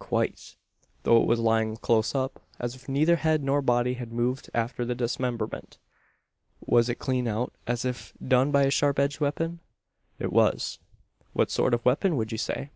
"Quite; though it was lying close up as if neither head nor body had moved after the dismemberment." "Was it a clean out as if done by a sharp edged weapon?" "It was." "What sort of weapon would you say?"